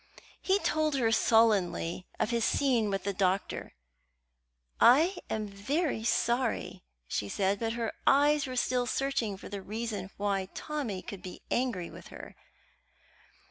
He told her sullenly of his scene with the doctor. "I am very sorry," she said; but her eyes were still searching for the reason why Tommy could be angry with her.